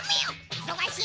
いそがしいの！